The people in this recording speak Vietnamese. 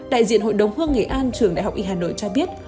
đại diện hội đồng hương nghệ an trường đại học y hàn đội cho biết